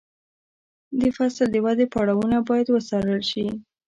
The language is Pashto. د فصل د ودې پړاوونه باید وڅارل شي.